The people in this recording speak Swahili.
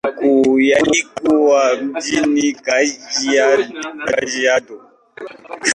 Makao makuu yalikuwa mjini Kajiado.